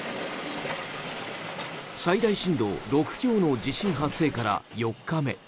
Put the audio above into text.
最大震度６強の地震発生から４日目。